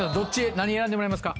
何選んでもらいますか？